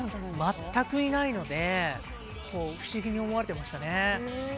全くいないので不思議に思われてましたね。